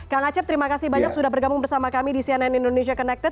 kang acep terima kasih banyak sudah bergabung bersama kami di cnn indonesia connected